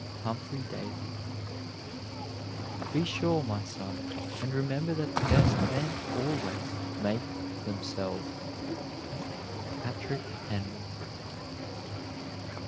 HUMPHRY DAVY. Be sure, my son, and remember that the best men always make themselves. PATRICK HENRY.